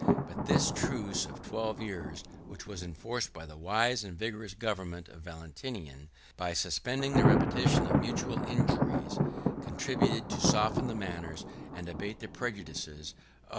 But this truce of twelve years, which was enforced by the wise and vigorous government of Valentinian, by suspending the repetition of mutual injuries, contributed to soften the manners, and abate the prejudices, of the religious factions.